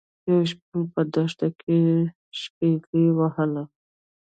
یو شپون په دښته کې شپيلۍ وهله.